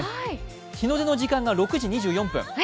日の出の時間が６時２４分。